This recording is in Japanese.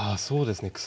そうですね